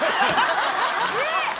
えっ！